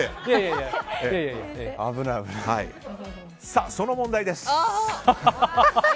さあ、その問題です。